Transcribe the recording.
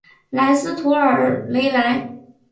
莱斯图尔雷莱。